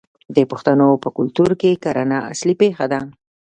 د پښتنو په کلتور کې کرنه اصلي پیشه ده.